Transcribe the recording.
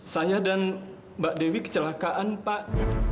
saya dan mbak dewi kecelakaan pak